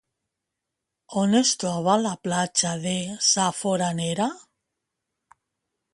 On es troba la platja de Sa Foranera?